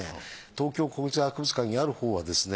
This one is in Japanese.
東京国立博物館にあるほうはですね